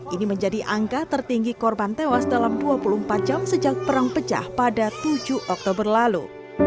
ini menjadi angka tertinggi korban tewas dalam dua puluh empat jam sejak perang pecah pada tujuh oktober lalu